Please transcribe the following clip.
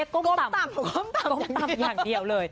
กมต่ำอย่างเดียว